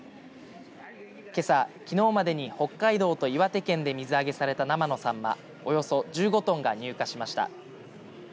けさ、きのうまでに北海道と岩手県で水揚げされた生のさんまおよそ１５トンが入荷しました。